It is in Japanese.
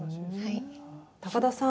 高田さん